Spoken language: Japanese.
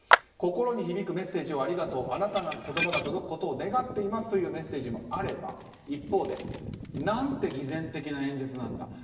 心に響くメッセージをありがとうあなたの言葉が届くことを願っていますというメッセージもあれば一方でなんて偽善的な演説なんだ。